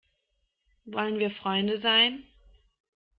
Wollen wir Freunde sein?